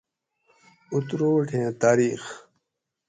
اُتروٹیں تاریخ